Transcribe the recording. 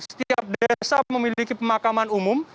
setiap desa memiliki pemakaman umum